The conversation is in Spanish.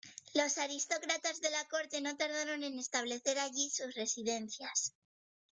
Los aristócratas de la corte no tardaron en establecer allí sus residencias.